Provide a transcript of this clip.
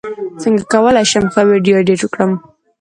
څنګه کولی شم ښه ویډیو ایډیټ کړم